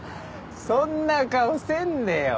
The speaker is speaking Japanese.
そんな顔せんねよ